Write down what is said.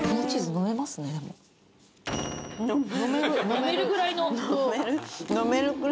飲めるぐらいの。